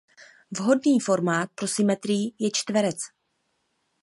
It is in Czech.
Vhodný formát pro symetrii je čtverec.